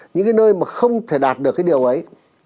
những cái nơi mà không thể đạt được cái điều ấy